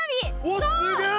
おおすげえ！